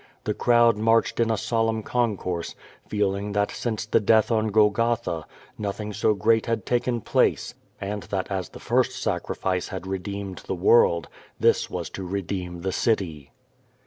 The crowd marched in a solemn concourse, feeling that since the death on Golgotha, nothing so great had taken place, and that as the first sacrifice had redeemed the world, this was to redeem the city.